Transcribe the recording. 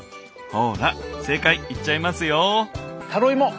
ほら正解いっちゃいますよ。